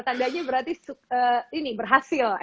tandanya berarti ini berhasil